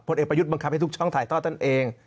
พลเอปายุทธบังคับให้ทุกช่องถ่ายทอดต้อนเอง